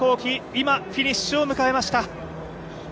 今、フィニッシュを迎えました。